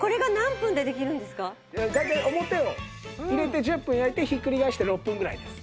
大体表を入れて１０分焼いてひっくり返して６分ぐらいです。